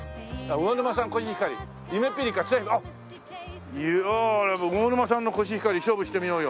魚沼産のこしひかり勝負してみようよ。